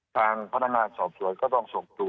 ทางพนักงานสอบสวนก็ต้องส่งตัว